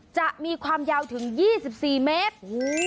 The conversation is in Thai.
จะมีความยาวถึง๒๔เมตร